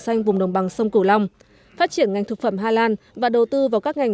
xanh vùng đồng bằng sông cửu long phát triển ngành thực phẩm hà lan và đầu tư vào các ngành